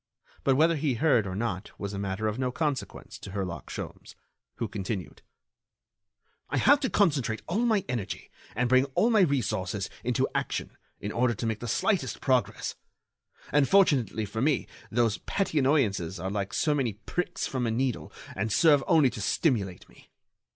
But whether he heard or not was a matter of no consequence to Herlock Sholmes, who continued: "I have to concentrate all my energy and bring all my resources into action in order to make the slightest progress. And, fortunately for me, those petty annoyances are like so many pricks from a needle and serve only to stimulate me.